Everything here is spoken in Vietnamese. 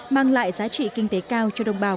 mang lại giá trị kinh tế cao cho đồng bào